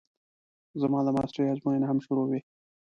زما د ماسټرۍ ازموينې هم شروع وې.